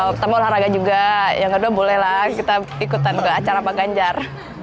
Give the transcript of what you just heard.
pertama olahraga juga yang kedua bolehlah kita ikutan ke acara pak ganjar